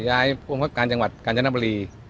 ย้ายพวงควบความจังหวัดกลานจนดะบุรี